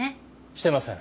してません。